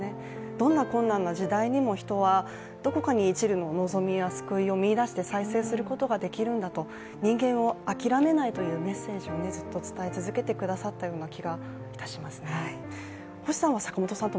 どんな困難な時代にも人は、どこかに一るの望みを見いだして再生することが出来るんだと人間を諦めないというメッセージをずっと伝え続けてくださったような気がいたしますね。